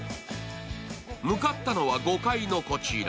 向かったのは５階のこちら。